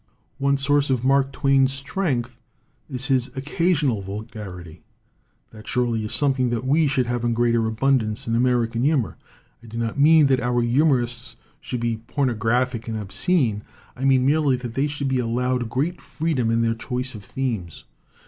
"One source of Mark Twain's strength is his occasional vulgarity. That surely is something that we should have in greater abundance in American humor. I do not mean that our hu morists should be pornographic and obscene; I mean merely that they should be allowed great freedom in their choice of themes.